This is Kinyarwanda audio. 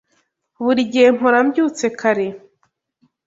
Buri gihe mpora mbyutse kare.